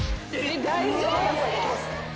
大丈夫？